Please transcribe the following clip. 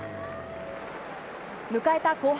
迎えた後半。